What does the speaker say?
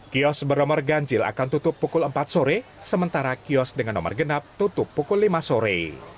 kios bernomor ganjil akan tutup pukul empat sore sementara kios dengan nomor genap tutup pukul lima sore